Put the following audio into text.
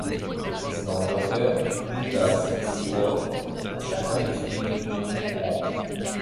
Le président Burger, Douglas et Steward ont chacun écrit une opinion concourante.